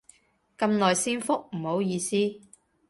咁耐先覆，唔好意思